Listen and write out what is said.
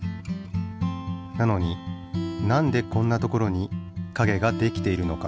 なのになんでこんな所にかげができているのか？